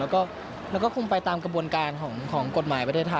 เราก็คงไปตามกระบวนการของกฎหมายประเทศไทยล่ะค่ะ